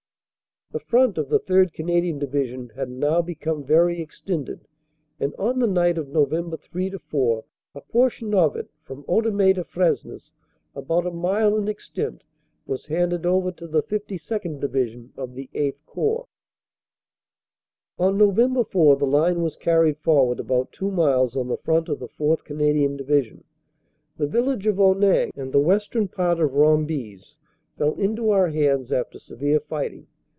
"The front of the 3rd. Canadian Division had now become very extended, and on the night of Nov. 3 4 a portion of it, from Odomez to Fresnes about a mile in extent was handed over to the 52nd. Division of the VIII Corps. "On Nov. 4 the line was carried forward about two miles on the front of the 4th. Canadian Division. The village of Onnaing and the western part of Rombies fell into our hands after severe fighting.